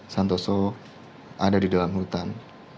santoso ada di dalam hutan